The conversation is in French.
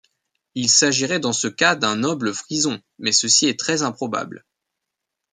Il s'agirait dans ce cas d'un noble frison, mais ceci est très improbable.